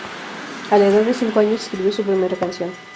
A la edad de cinco años escribió su primera canción.